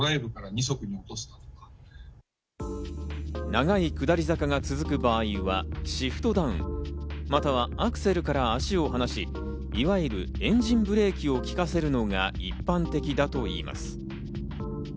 長い下り坂が続く場合は、シフトダウン、またはアクセルから足を離し、いわゆるエンジンブレーキを利かせるのが一般的だといいます。